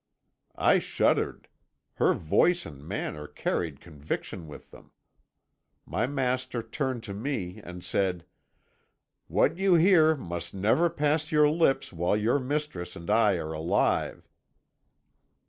"I shuddered; her voice and manner carried conviction with them. My master turned to me, and said: "'What you hear must never pass your lips while your mistress and I are alive.'